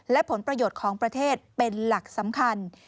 และผลประโยชน์ของประเทศเป็นหลักสำคัญ